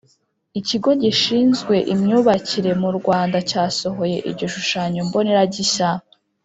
Ikigo gishinzwe imyubakire mu Rwanda cyasohoye igishushanyo mbonera gishya